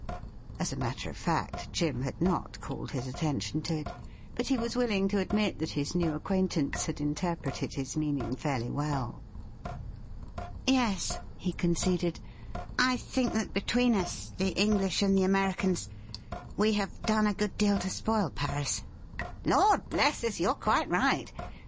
As a matter of fact, Jim had not called his attention to it, but he was willing to admit that his new acquaintance had interpreted his meaning fairly well. ' Yes,' he conceded, ' I think that between us — ^the English and the Americans — we have done a good deal to spoil Paris.' ' Lord bless us ! you're quite right.